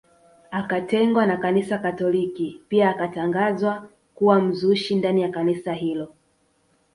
Akatengwa na kanisa katoliki pia akatangazwa kuwa mzushi ndani ya kanisa hilo